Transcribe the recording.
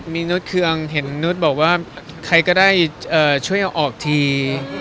มีนุษย์เครื่องเห็นนุษย์บอกว่าใครก็ได้ช่วยเอาออกที